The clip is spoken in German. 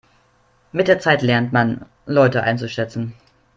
Mit der Zeit lernt man Leute einzuschätzen.